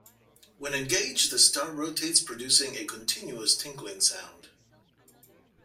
When engaged, the star rotates, producing a continuous tinkling sound.